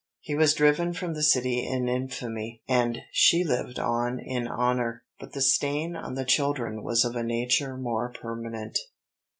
He was driven from the city in infamy, and she lived on in honor; but the stain on the children was of a nature more permanent.